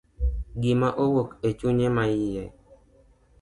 Gima owuok e chunye maiye.